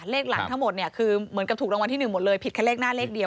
เลขหลังทั้งหมดเนี่ยคือเหมือนกับถูกรางวัลที่๑หมดเลยผิดแค่เลขหน้าเลขเดียว